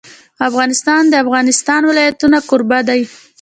افغانستان د د افغانستان ولايتونه کوربه دی.